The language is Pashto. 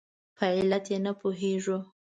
په علت یې نه پوهېږو.